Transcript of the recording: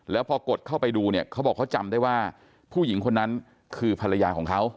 แล้วพอกดเข้าไปดูเนี่ยเขาบอกเขาจำได้ว่าผู้หญิงคนนั้นคือภรรยาของเขา